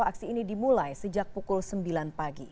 aksi ini dimulai sejak pukul sembilan pagi